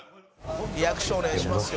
「リアクションお願いしますよ